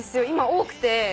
今多くて。